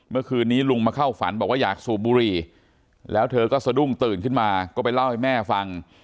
เมื่อคืนนี้ลุงมาเข้าฝันบอกว่าอยากสูบบุหรี่แล้วเธอก็สะดุ้งตื่นขึ้นมาก็ไปเล่าให้แม่ฟัง